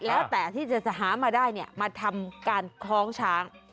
แล้วแต่ที่จะหามาได้เนี่ยมาทำการคล้องช้าง